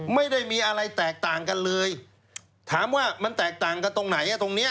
ไม่ได้มีอะไรแตกต่างกันเลยถามว่ามันแตกต่างกันตรงไหนตรงเนี้ย